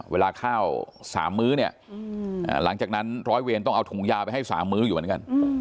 เวลาข้าว๓มื้อเนี่ยหลังจากนั้นร้อยเวรต้องเอาถุงยาไปให้๓มื้ออยู่เหมือนกัน